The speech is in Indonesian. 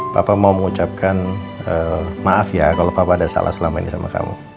bapak mau mengucapkan maaf ya kalau papa ada salah selama ini sama kamu